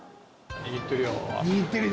握ってるよ。